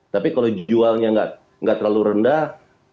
tapi kalau jualnya nggak terlalu rendah